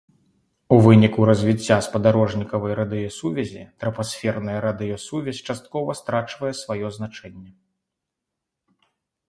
У выніку развіцця спадарожнікавай радыёсувязі трапасферная радыёсувязь часткова страчвае сваё значэнне.